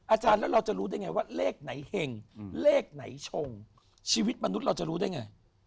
อาจารย์แล้วเราจะรู้ได้ไงว่าเลขไหนเห็งเลขไหนชงชีวิตมนุษย์เราจะรู้ได้ไง